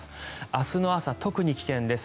明日の朝、特に危険です。